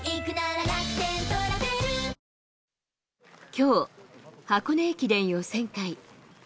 きょう、箱根駅伝予選会。